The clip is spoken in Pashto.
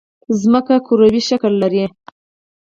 ځمکه کوروي شکل لري